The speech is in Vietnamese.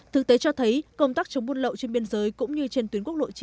thực tế cho thấy công tác chống buôn lậu trên biên giới cũng như trên tuyến quốc lộ chín